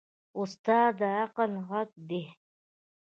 استاد د عقل غږ دی.